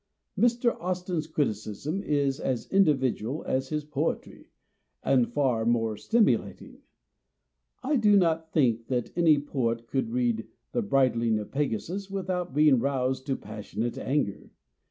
Mr. Austin's criticism is as individual as his 232 POETS AND CRITICS 233 poetry, and far more stimulating. I do not think that any poet could read " The Brid ling of Pegasus " without being roused to passionate anger.